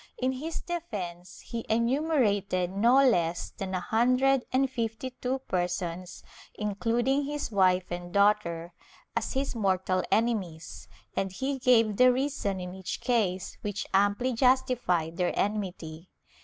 In his defence he enumerated no less than a himdred and fifty two persons, including his wife and daughter, as his mortal enemies, and he gave the reason in each case which amply justified their enmity.